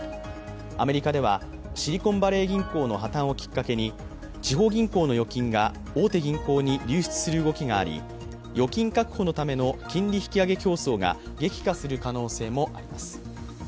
アメリカではシリコンバレー銀行の破綻をきっかけに地方銀行の預金が大手銀行に流出する動きがあり預金確保のための金利引き上げ競争が激化する可能性もあります。